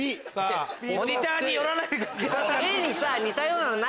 モニターに寄らないでください。